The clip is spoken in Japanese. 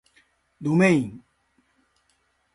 どめいん